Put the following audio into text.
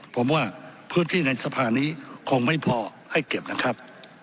ผมว่าพื้นที่ในสภานี้คงไม่พอให้เก็บนะครับ